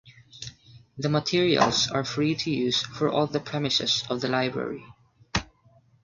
The materials are free to use for all at the premises of the library.